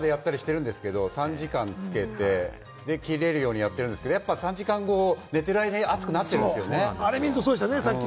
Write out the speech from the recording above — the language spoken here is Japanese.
タイマー使ってるんですけど、３時間つけて、切れるようにやってるんですけれども、３時間後、寝ている間に暑くなってるんですよね。